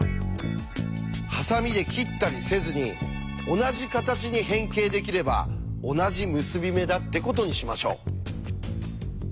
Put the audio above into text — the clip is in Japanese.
ハサミで切ったりせずに同じ形に変形できれば同じ結び目だってことにしましょう。